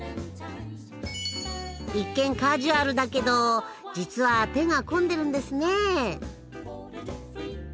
一見カジュアルだけど実は手が込んでるんですね。